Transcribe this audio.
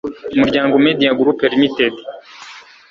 umuryango media group ltd